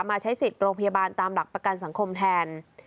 ใช้สิทธิ์โรงพยาบาลตามหลักประกันสังคมแทน